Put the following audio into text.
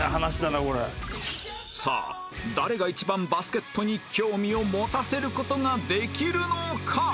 さあ誰が一番バスケットに興味を持たせる事ができるのか？